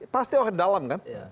pasti orang dalam kan